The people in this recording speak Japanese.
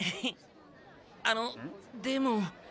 あのでも。